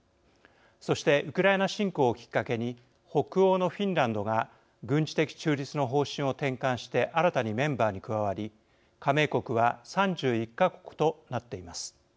そしてウクライナ侵攻をきっかけに北欧のフィンランドが軍事的中立の方針を転換して新たにメンバーに加わり加盟国は３１か国となっています。